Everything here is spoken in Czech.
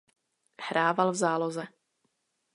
Hrával v záloze.